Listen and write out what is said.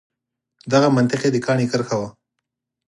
دغه منطق یې د کاڼي کرښه وه.